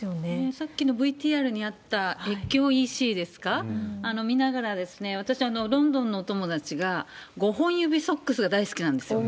さっきのＶＴＲにあった越境ＥＣを見ながら、私、ロンドンのお友達が、５本指ソックスが大好きなんですよ。